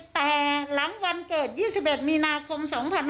แต่หลังวันเกิด๒๑มีนาคม๒๕๖๒